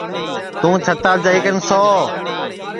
تُوں چھتاپ جائی کن سو